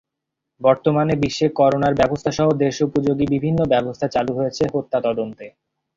বর্তমানে বিশ্বে করোনার ব্যবস্থাসহ দেশোপযোগী বিভিন্ন ব্যবস্থা চালু হয়েছে হত্যা তদন্তে।